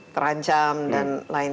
terancam dan lain